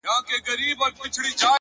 تا سره نور څه دي خو روزګار به رانه واخلې